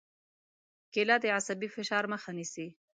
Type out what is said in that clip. کېله د عصبي فشار مخه نیسي.